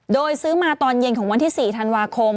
โดยซื้อมาตอนเย็นของวันที่๔ธันวาคม